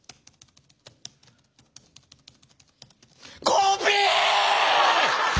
コピー！